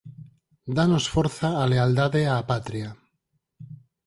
Dános forza a lealdade á Patria.